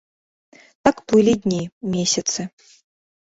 Так плылі дні, месяцы.